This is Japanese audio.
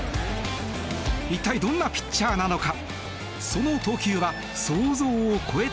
一体どんなピッチャーなのか。